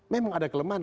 memang ada kelemahan